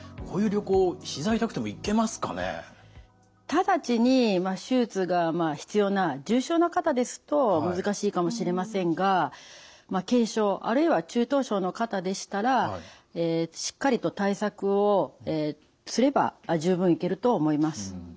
直ちに手術が必要な重症な方ですと難しいかもしれませんが軽症あるいは中等症の方でしたらしっかりと対策をすれば十分行けると思います。